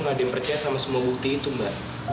nggak ada yang percaya sama semua bukti itu mbak